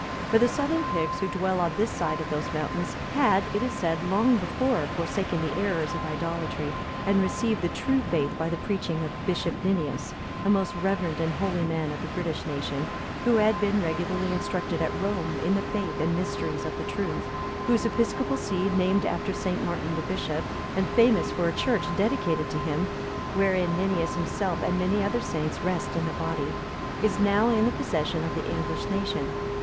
For the southern Picts, who dwell on this side of those mountains, had, it is said, long before forsaken the errors of idolatry, and received the true faith by the preaching of Bishop Ninias,(302) a most reverend and holy man of the British nation, who had been regularly instructed at Rome in the faith and mysteries of the truth; whose episcopal see, named after St. Martin the bishop, and famous for a church dedicated to him (wherein Ninias himself and many other saints rest in the body), is now in the possession of the English nation.